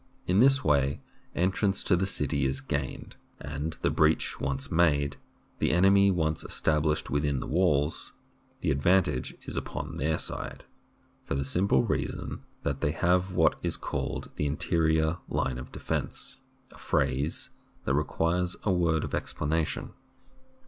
In this way entrance to the city is gained, and the breach once made, the enemy once established within the walls, the advantage is upon their side, for the simple reason that they have what is called the interior line of defence — a phrase that requires a word of explanation.